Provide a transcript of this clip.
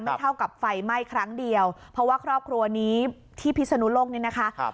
เท่ากับไฟไหม้ครั้งเดียวเพราะว่าครอบครัวนี้ที่พิศนุโลกนี้นะคะ